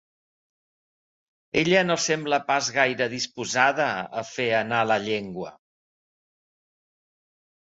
Ella no sembla pas gaire disposada a fer anar la llengua.